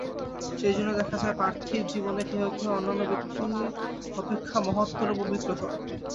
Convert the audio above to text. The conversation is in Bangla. সেইজন্য দেখা যায়, পার্থিব জীবনে কেহ কেহ অন্যান্য ব্যক্তি অপেক্ষা মহত্তর ও পবিত্রতর।